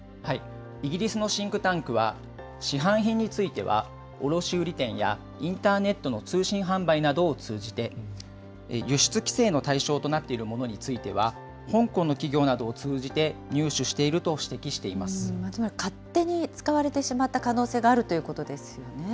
イギリスのシンクタンクは、市販品については、卸売り店やインターネットの通信販売などを通じて、輸出規制の対象となっているものについては、香港の企業などを通じて入手していると指摘しつまり勝手に使われてしまった可能性があるということですよね。